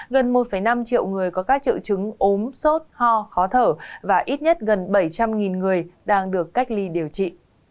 gần một năm triệu người có các triệu chứng ốm sốt ho khó thở và ít nhất gần bảy trăm linh người đang được cách ly điều trị